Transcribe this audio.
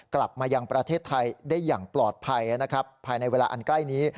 กลับมายังประเทศไทยได้อย่างปลอดภัยนะครับภายในเวลาอันใกล้นี้